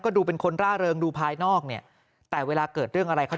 ดูเป็นคนร่าเริงดูภายนอกเนี่ยแต่เวลาเกิดเรื่องอะไรเขา